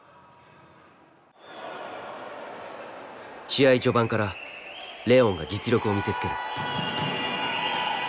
試合序盤からレオンが実力を見せつける。